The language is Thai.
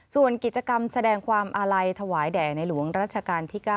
ส่วนกิจกรรมแสดงความอาลัยถวายแด่ในหลวงรัชกาลที่๙